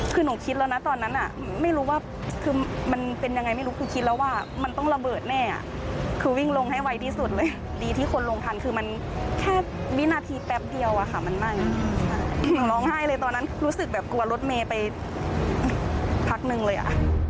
คือหนูคิดแล้วนะตอนนั้นไม่รู้ว่าคือมันเป็นยังไงไม่รู้คือคิดแล้วว่ามันต้องระเบิดแน่คือวิ่งลงให้ไวที่สุดเลยดีที่คนลงทันคือมันแค่วินาทีแป๊บเดียวอะค่ะมันไม่หนูร้องไห้เลยตอนนั้นรู้สึกแบบกลัวรถเมย์ไปพักนึงเลยอ่ะ